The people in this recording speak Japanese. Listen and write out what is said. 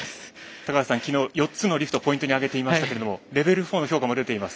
高橋さん、きのうは４つのリフトをポイントに挙げていましたけれどもレベル４の評価も出ています。